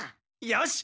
よし！